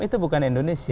itu bukan indonesia